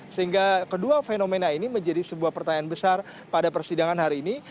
sehingga kedua fenomena ini menjadi sebuah pertanyaan besar pada persidangan hari ini